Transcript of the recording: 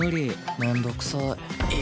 面倒くさい。